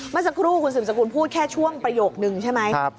เมื่อสักครู่คุณสืบสกุลพูดแค่ช่วงประโยคนึงใช่ไหม